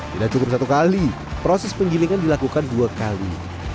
tidak cukup satu kali proses penggilingan dilakukan dua kali